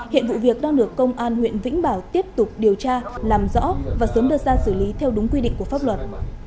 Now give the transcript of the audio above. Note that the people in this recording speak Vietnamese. hiện vụ việc đang được công an huyện vĩnh bảo tiếp tục điều tra làm rõ và sớm đưa ra xử lý theo đúng quy định của pháp luật